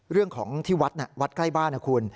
เรื่องของที่วัดวัดใกล้บ้านนะคุณ